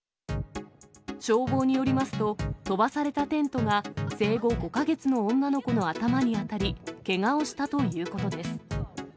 消防によりますと、飛ばされたテントが、生後５か月の女の子の頭に当たり、けがをしたということです。